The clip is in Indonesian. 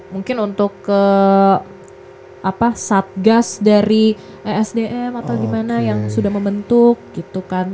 mungkin untuk ke satgas dari esdm atau gimana yang sudah membentuk gitu kan